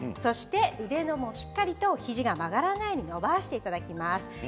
腕もしっかりと肘が曲がらないように伸ばしていただきます。